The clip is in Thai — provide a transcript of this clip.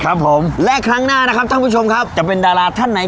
ครับผมและครั้งหน้านะครับท่านผู้ชมครับจะเป็นดาราท่านไหน